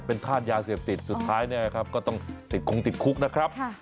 เป็นฆาตยาเสพติดสุดท้ายก็ต้องติดคุ้งติดคุกนะครับ